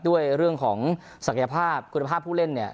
ด้วยเรื่องของศักยภาพคุณภาพผู้เล่นเนี่ย